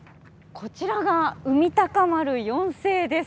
こちらが「海鷹丸４世」です。